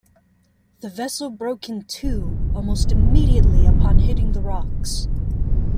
The vessel broke in two almost immediately upon hitting the rocks.